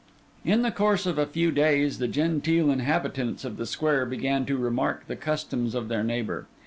In the course of a few days, the genteel inhabitants of the square began to remark the customs of their neighbour.